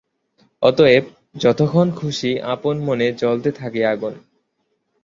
অতএব যতক্ষণ খুশি আপন মনে জ্বলতে থাকে আগুন।